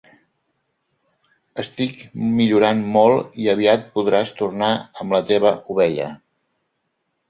Estic millorant molt i aviat podràs tornar amb la teva ovella.